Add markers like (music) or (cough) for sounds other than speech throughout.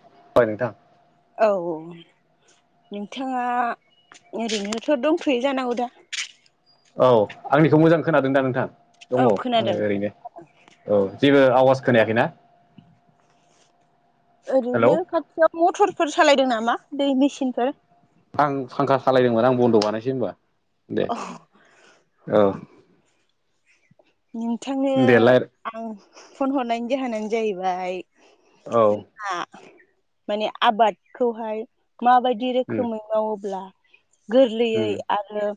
(unintelligible) नोंथां औ नोंथाङा ओरैनोथ' दंथ'यो जानांगौ दा। औ आंनिखौ मोजां खोनादों दा नोंथां औ दङ आङो खोनादों ओरैनो। औ जेबो आवाज खोनायाखैना। हेलौ ओरैनो खाथियाव मथरफोर सालायदों नामा दै मेचिनफोर। आं फांखा सालायदोंमोन आं बन्द' बानायसै होनबा दे औ। नोंथांनो दे लाय आं फन हरनायनि जाहोनानो जाहैबाय औ (unintelligible) माने आबादखौहाय माबायदि उम रोखोमै मावोब्ला उम गोरलैयै आरो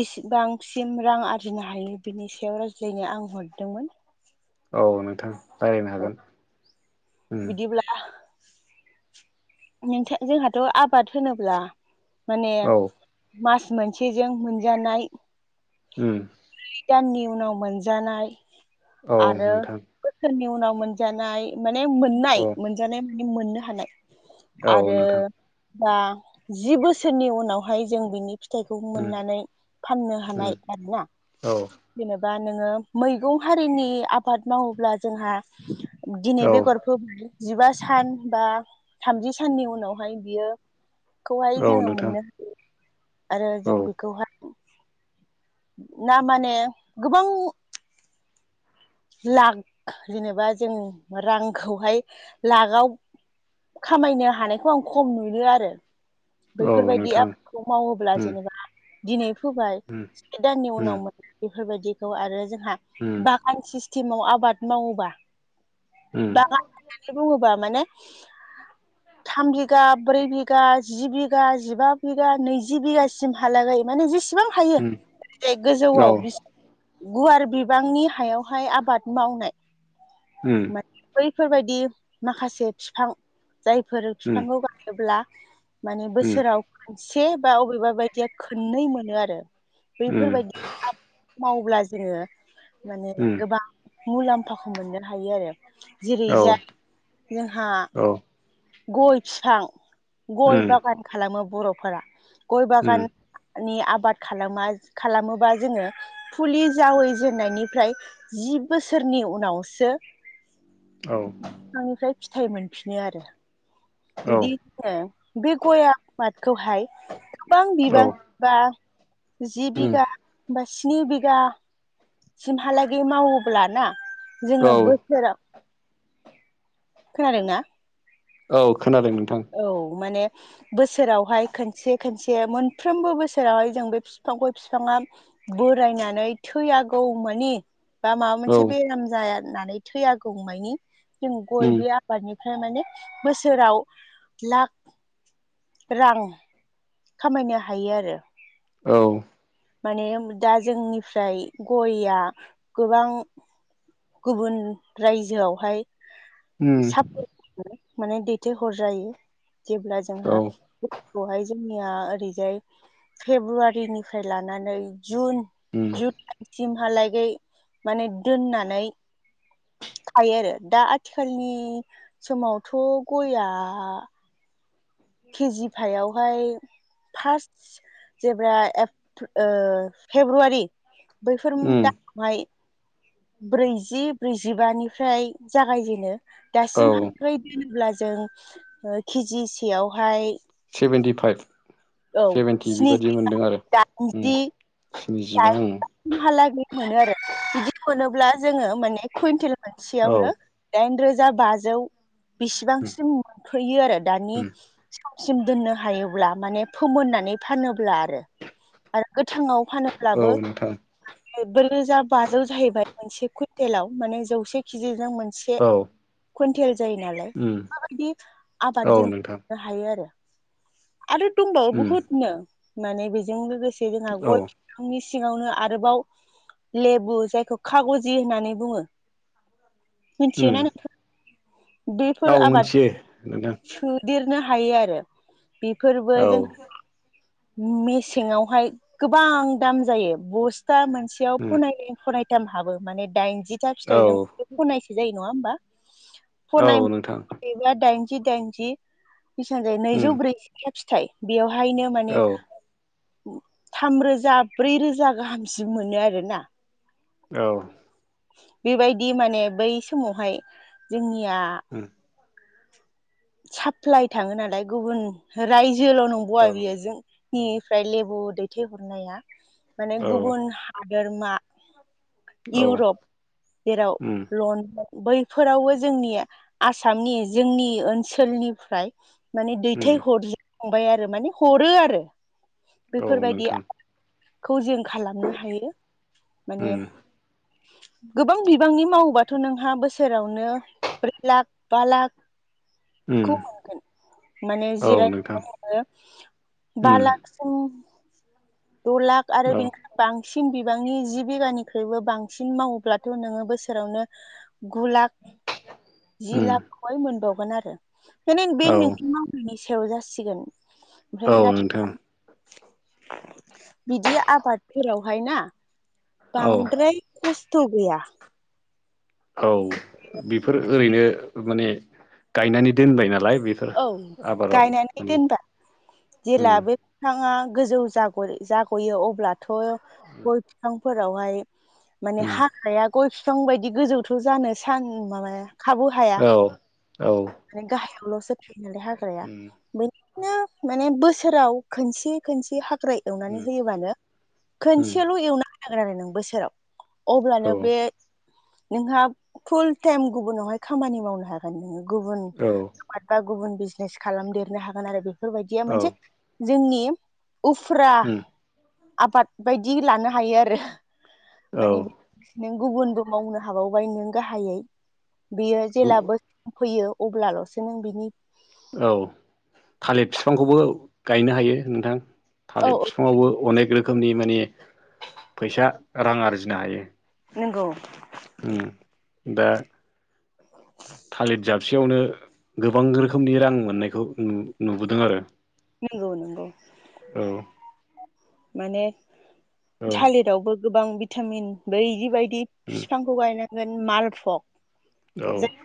बेसिबांसिम रां आरजिनो हायो बिनि सायाव (unintelligible) (unintelligible) आं हरदोंमोन औ नोंथां रायलायनो हागोन उम (unintelligible) नोंथा जोंहाथ' आबाद होनोब्ला माने औ मास मोनसेजों मोनजानाय उम दाननि उनाव मोनजानाय औ आरो नोंथां बोसोरनि उनाव मोन मोन जानाय माने मोननाय औ मोनजानाय माने मोननो हानाय औ आरो नोंथां दा जि बोसोरनि उनावहाय जों बिनि फिथाइखौ उम मोननानै फाननो उम हानाय आरो ना औ जेनेबा नोङो मैगं हारिनि आबाद मावोब्ला जोंहा दिनै औ बे जिबा सान बा थामजि साननि उनावहाय बियो खौहाय औ जोङो नोंथां मोननो हायो आरो औ जों बेखौहाय ना माने गोबां लाख जेनेबा जों रांखौहाय लाखआव खामायनो हानायखौ आं खम नुयो आरो औ बैफोरबायदि नोंथां आबादखौ मावोब्ला उम जेनेबा दिनै फोबाय उम से दाननि उम उनावमोन बेफोरबायाददिखौ आरो जोंहा उम बागान सिस्टेमाव आबाद मावोबा उम बान बुंङोबा माने (unintelligible) थाम बिघा ब्रै बिघा जि बिघा जिबा बिघा नैजि बिघासिम हालागायो माने जेसेबां बेसेबां हायो उम ज औ गोजौआव गुवार बिबांनि हायावहाय आबाद बाद मावनाय उम बैफोरबायदि माखासे बिफां जायफोर उम बिफांखौ गायोब्ला माने उम बोसोराव खनसे बा अबेबा बायदिया खननै मोनो आरो उम बैफोरबायदि आाबाद मावोब्ला जोङो माने उम गोबां मुलाम्फाखौ मोननो हायो आरो जेरै औ जा जोंहा औ गय फिफां गय उम बागान खालामो बर'फोरा गय उम बागान नि आबाद खालामा खालामोबा जोङो फुलि जावैजेननायनिफ्राय जि बोसोरनि उनावसो औ बिफांनिफ्राय फिथायाइ मोनफिनो आरो औ जुदिङो बे गया आफमादखौहाय गोबां औ बिबां बा जि उम बिघा बा स्नि बिघा सिमहालागै मावोब्लाना ना औ जोङो बोसोराव खोनादों ना औ खोनादों नोंथां औ माने बोसोरावहाय खनसे खनसे मोनफ्रोमबो बोसोरावहाय जों बे बिफां गय बिफाङा बोरायनानै थैयागौ मानि बा माबा औ मोनसे बेराम जाया होननानै थैया गौमानि जों उम गयबोया आबादनिफ्राय माने बोसोराव लाख रां खामायनो हायो आरो। औ माने दा जोंनिफ्राय गयया गोबां गुबुन रायजोआवहाय उम सापर्ट माने दैथायहर जायो जेब्ला जोंहा औ दैखौहाय जोंनिया ओरैजाय फेब्रुवारिनिफ्राय लानानै जुन उम जुलाइ सिमहालागै माने दोननानै थायो आरो दा आथिखालनि समावथ' गइआ केजि फाइआवहाय फार्स्ट जेब्ला ओ फेब्रुवारि बैफोर उम दा माय ब्रैजि ब्रैजिबानिफ्राय जागायजेनो औ दासिमहालागै दोनोब्ला जों केजिसेयावहाय सेभेनटि फाइभ औ सेभेेनटि स्नि बेबादि मोनदों आरो। उम। नैजिबा ओं। हालागै मोनो आरो बिदि मोनोब्ला जोङो माने कुइन्टेल औ मोनसेयावनो दाइनरोजा बाजौ उम बेसिबांसिम मोनफैयो आरो दानि सिम दोननो हायोब्ला माने फोमोननानै फानोब्ला आरो। आरो गोथाङाव फानो औ ब्लाबो नोंथां नोबबैरोजा बाजोल जाहैबाय मोनसे कुइन्टेलाव माने जौसे केजि जों मोन से औ कुइन्टेल जायो नालाय। उम माबायदि औ आबादजों नोंथां हायो आरो। आरो दंबावो उम बुहुदनो, माने बेजों लोगोसे जोंहा गय औ बिफांनि सिङावनो आरोबाव लेबु जायखौ खाग'जि होननानै बुङो। मिथियोना उम नोंथां बेफोर औ आबाद मोनथियो नोंथां सोदेरनो हायो आरो। बेफोरबो जों औ मेसेंआवहाय गोबां दाम जायो। बस था मोनसेयाव उम फनायनै फनायथाम हाबो माने दाइनजिथा औ फिथाइजों फनायसे जायो नङा होमबा? औ नोंथां फनाय बा दाइनजि दाइनजि बेसेबां जायो उम नैजौ ब्रैजिथा फिथाइ, बेयावहायनो माने औ थामरोजा ब्रैरोजा गाहामसिम मोनो आरोना। औ। बेबायदि माने बै समावहाय जोंनिया उम साप्लाय थाङो नालाय गुबुन रायजोल' नंबावा औ बियो जों निफ्राय लेबु दैथायहरनाया, माने औ गुबुन हादोरमा औ इउरप, जेराव उम लण्डन बैफोरावबो जोंनि आसामनि जोंनि ओनसोलनिफ्राय माने उम दैथाय हरजाखांबाय आरो माने हरो आरो। औ नोंथां। खौ जों खालामनो हायो। उम माने गोबां बिबांनि मावोबाथ' नोंहा बोसोरावनो ब्रै लाख बा लाख उम खौ मोनगोन। माने औ जिराय नोंथां नोङो बा उम लाख द' लाख आरो औ बिनि बांसिन बिबांनि जि बिगानिख्रुइबो बांसिन मावोब्लाथ' नोङो बोसोरावनो गु लाख जि उम लाखखौहाय मोनबावगोन आरो। बेनि बे औ नोंनि मावनायनि सायाव जासिगोन। ओमफ्राय औ ना नोंथां बिदि आबादफोरावहाय ना औ बांद्राय खस्थ' गैया। औ बेफोर ओरैनो माने गायनानै दोनबाय नालाय बेफोर औ आबादाव गायनानै माने दोनबा जेला उम बे बिफाङा गोजौ जाग' जाग'यो अब्लाथ' गय फिफांफोरावहाय माने उम हाग्राया गय बिफां बायदि गोजौथ' जानो सान माबाया खाबु हाया, औ औ माने गाहायावल'सो हाग्राया उम बेनि बिदिनो माने बोसोराव खोनसे खोनसे हाग्राय एवनानै उम होयोबानो उम खोनसेल' एवना होनांगोन आरो नों बोसोराव। अब्लानो औ बे नोंहा फुल टाइम गुबुनावहाय खामानि मावनो हागोन। नोङो गुबुन औ आबाद बा गुबुन बिजनेस खालामदेरनो हागोन आरो बेफोरबायदिया औ मोनसे जोंनि उफुरा उम आबाद बायदि लानो हायो आरो औ माने नों गुबुनबो मावनो हाबावबाय नों गाहायै बेयो जेला बै फैयो अब्लाल'सो नों बिनि औ थालिर फिफांखौबो गायनो हायो नोंथां औ थालिर औ फि फङावबो अनेक रोखोमनि माने फैसा रां आरजिनो हायो नोंगौ दा थालिर जाबसेयावनो गोबां रोखोमनि रां मोननायखौ नुबोदों आरो नंगौ नंगौ औ माने औ थालिरावबो गोबां भिटामिन बैदि बायदि बिफांखौ गायनांगोन मालफग औ जाय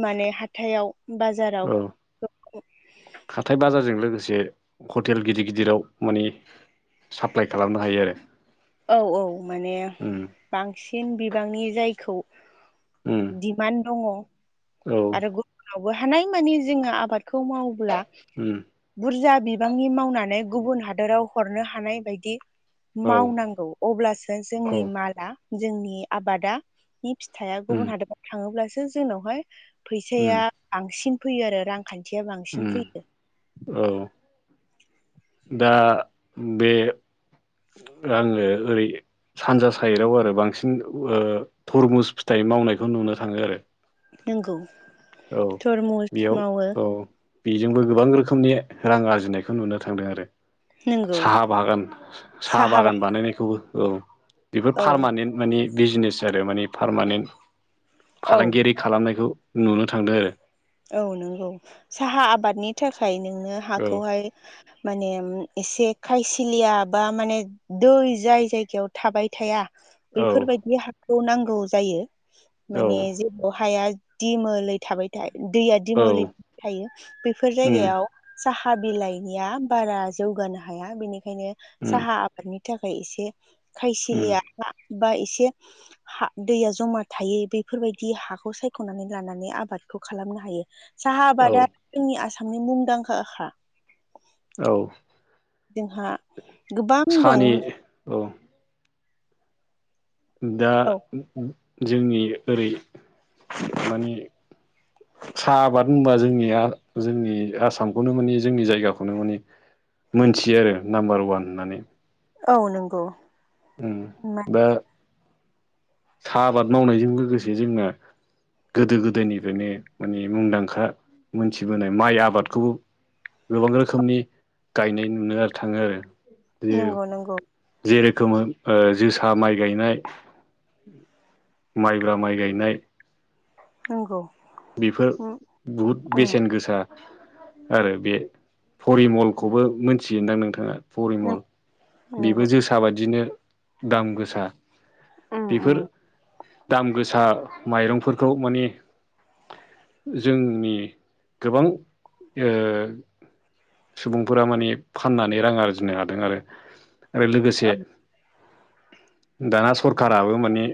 माने हाथायाव ब औ हाथथाय बाजारजों लोगोसे हटेल गिदिर गिदिराव माने साप्लाइ खालामनो हायो आरो औ औ माने उम बांसिन बिबांनि जायखौ ओम दिडमान्ड दङ औ आरो गुबुनावबो हानाय मानि जोंङो आबादखौ माव्ला उम बुरजा बिबांनि मावनानै गुबुन हादोराव हरनो हानाय बायदि औ मावनांगौ अब्लासो औ जोंनि माआ जोंनि आबादा नि फिथाइआ उम गुबुन हादोराव थाङोब्लासो जोंनावहाय उम फैसाया बांसिन फैयो आरो रांखान्थिया बांसिन उम फैयो औ दा बे आङो ओरै सानजा साइडआव आरो बांसिन थरमुस फिथाइ मावनायखौ नुनो थाङो आरो नगौ औ थरमुस बेयाव मावो औ बेजोंबो गोबां रोखोमनि रां आरजिनायखौ नुनो थांदों आरो नंगौ साहा बागान साहा बागान बानायनायखौबो औ बेफोर औ पारमानेन्ट माने बिजनेस आरो मान पारमानेन्ट औ फालांगियारि खालामनायखौ नुनो थांदो आरो औ नंगौ साहा आबादनि थाखाय नोंनो औ हाखौहाय माने एसे खायसिलिया बा माने दै जाय जायगायाव थाबाय थाया औ बैफोरबायदि हाखौ नांगौ जायो माने जे अहाया दिमोलै थाबाय थ दैया औ दिमोलै थाबाय थायो बेफोर उम जायगायाव साहा बिलाइनिया बारा जौगानो हाया बेनिखायनो उम साहा बेनि थाखाय एसे उम खायसिलिया बा एसे हा दैया जमा थायो बेफोरबायदि हाखौ सायख'नानै लानानै आबाद खालामनो हायो साहा औ आबादा जोंनि आसामनि मुंदांखाखा औ जोंहा गोबां दं। साहानि औ दा औ जोंनि ओरै माने साहा आबाद होनबा जोंनिया जोंनि आसामखौनो माने जोंनि जायगाखौनो माने मोनथियो आरो नाम्बार ववान होननानै औ नंगौ दा साहा आबाद मावनायजों लोगोसे जोंना गोदो गोदायनिफ्रायनो मानि मुंदांखा मोनथिबोनाय माइ आबादखौबो गोबां रोखोमनि गायनाय नुनो थाङो आरो। जे नंगौ नंगौ जेरोखोमो ओ जोसा माइ गायनाय माइब्रा माइ गायनाय नोंगौ बेफोर बुहुद बेसेन गोसा आरो बे फरिमलखौबो मोनथिगोनदां नोंथाङा परिमल बेबो नंगौ जोसा बादिनो दाम गोसा। उम बेफोर उम दाम गोसा माइरंफोरखौ माने जोंनि गोबां ओ सुबुंफोरा माने फाननानै रां आरजिनो हादों आरो। आरो लोगोसे दाना सरखाराबो माने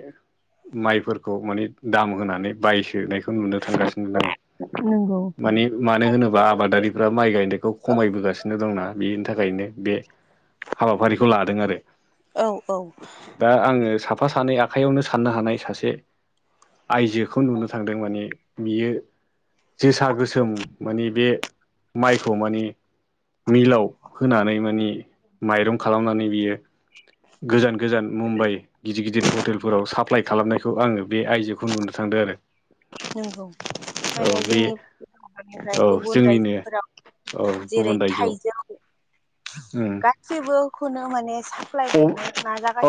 माइफोरखौ माने दाम होनानै बायसोनायखो नुनो थांगासिनो दङ नंगौ माने मानो होनोबा आबादारिफ्रा माइ गायनायखौ खमायबोगासिनो दंना बेनि थाखायनो बे हाबाफारिखौ लादों आरो। औ औ दा आङो साफा सानै आखाइयावनो साननो हानाय सासे आयजोखौ नुनो थांदों माने बियो जोसा गोसोम माने बे माइखौ माने मिलाव होनानै माने माइरं खालामनानै बियो गोजान गोजान मुम्बाइ गिदिद गिदिद हटेलफोराव साप्लाइ खालामनायखौ आङो बे आइजोखौ नुनो थांदों आरो। नोंगौ औ माने बे जोंनि (unintelligible) निफ्राय औ गुबुन जोंनिनो औ रायजोफोराव जेरै गुबुन रायजोआव थाइजौ उम गाससिबो खुनु माने साप्लाय हरनो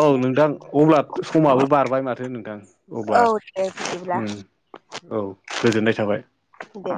औ नोंथां अब्ला समाबो बारबाय माथो नोंथां अब्ला औ दे बिदिब्ला उम। औ गोजोननाय थाबाय। दे।